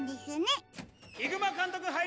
・ヒグマ監督はいります。